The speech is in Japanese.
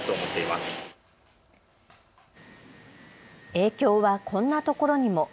影響はこんなところにも。